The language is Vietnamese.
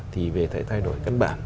thì về thay đổi căn bản